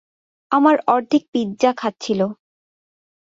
আমার অর্ধেক পিজ্জা খাচ্ছিল।